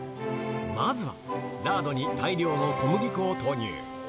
まずはラードに大量の小麦粉を投入。